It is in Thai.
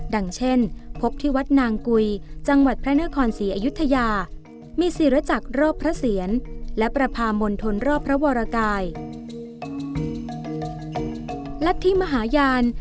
ดังเช่นพบที่วัดนางกุยจังหวัดพระนครศรีอยุธยามีศิรจักรรอบพระเสียรและประพามณฑลรอบพระวรกาย